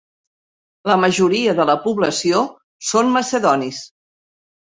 La majoria de la població són macedonis.